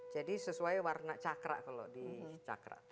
jadi sesuai warna cakra kalau di cakra